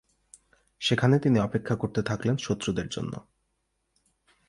সেখানে তিনি অপেক্ষা করতে থাকলেন শত্রুদের জন্য।